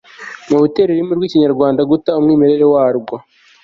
mu bitera ururimi rw'ikinyarwanda guta umwimerere wa rwo